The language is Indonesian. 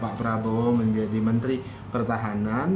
pak prabowo menjadi menteri pertahanan